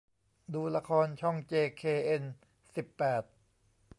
ดูละครช่องเจเคเอ็นสิบแปด